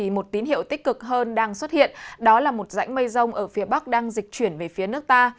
một tín hiệu tích cực hơn đang xuất hiện đó là một rãnh mây rông ở phía bắc đang dịch chuyển về phía nước ta